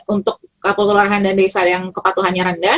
untuk kelurahan dan desa yang kepatuhannya rendah